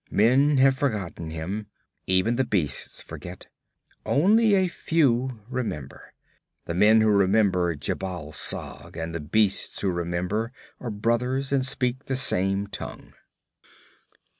Men have forgotten him; even the beasts forget. Only a few remember. The men who remember Jhebbal Sag and the beasts who remember are brothers and speak the same tongue.'